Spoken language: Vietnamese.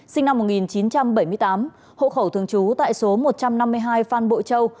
sinh năm một nghìn chín trăm bảy mươi tám hộ khẩu thường trú tại số một trăm năm mươi hai phan bội châu